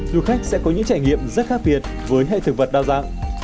du khách sẽ có những trải nghiệm rất khác biệt với hệ thực vật đa dạng